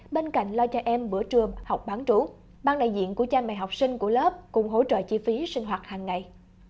bên cạnh lo cho em bữa trưa học bán trú ban đại diện của cha mẹ học sinh của lớp cũng hỗ trợ chi phí sinh hoạt hàng ngày